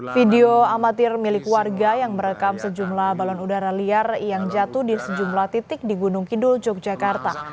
video amatir milik warga yang merekam sejumlah balon udara liar yang jatuh di sejumlah titik di gunung kidul yogyakarta